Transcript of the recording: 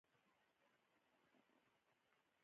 آیا رومي او خیام نړۍ نه پیژني؟